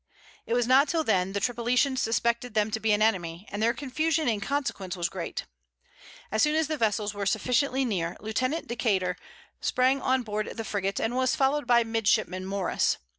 It was not till then the Tripolitans suspected them to be an enemy; and their confusion in consequence was great. As soon as the vessels were sufficiently near, Lieutenant Decater sprang on board the frigate, and was followed by midshipman Morris.